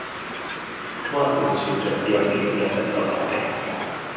Markovics József fiaként született Szabadkán.